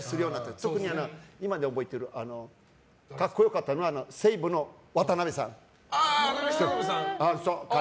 でも今でも覚えてる格好良かったのは西武のワタナベさん。